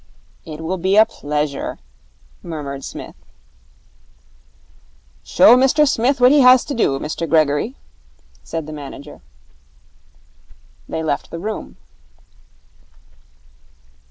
'It will be a pleasure,' murmured Psmith. 'Show Mr Smith what he has to do, Mr Gregory,' said the manager. They left the room.